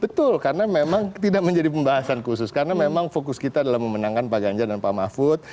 betul karena memang tidak menjadi pembahasan khusus karena memang fokus kita adalah memenangkan pak ganjar dan pak mahfud